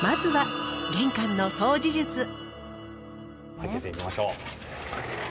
開けてみましょう。